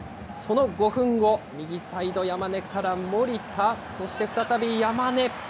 その５分後、右サイド、山根から森田、そして再び山根。